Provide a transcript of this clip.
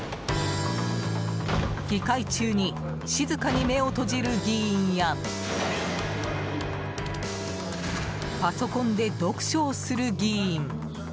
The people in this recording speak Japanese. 議会中に静かに目を閉じる議員やパソコンで読書をする議員。